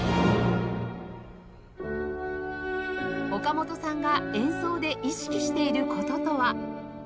岡本さんが演奏で意識している事とは？